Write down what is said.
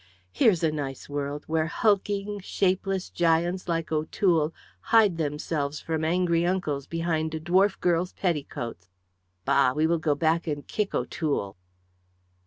Here's a nice world, where hulking, shapeless giants like O'Toole hide themselves from angry uncles behind a dwarf girl's petticoats. Bah! We will go back and kick O'Toole."